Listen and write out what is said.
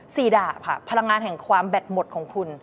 สีดาพลังงานแห่งความแบดหมดของคุณ